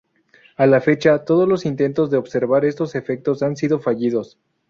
A la fecha, todos los intentos de observar estos efectos han sido fallidos.